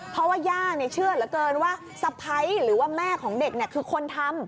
เพราะว่าย่าเชื่อเหลือเกินว่าสะพ้ายหรือว่าแม่ของเด็กคือคนทำ